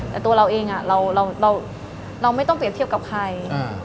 แต่ตัวเราเองเราไม่ต้องเปรียบเทียบกับใคร